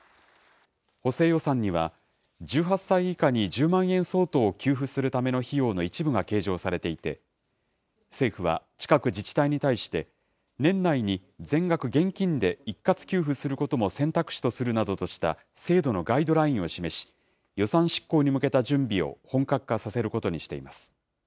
補正予算には、１８歳以下に１０万円相当を給付するための費用の一部が計上されていて、政府は近く、自治体に対して、年内に全額現金で一括給付することも選択肢とするなどとした制度のガイドラインを示し、予算執行に向けた準備を本格化させることにしています。